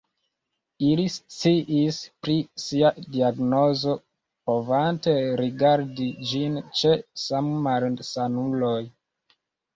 Ili sciis pri sia diagnozo, povante rigardi ĝin ĉe sammalsanuloj.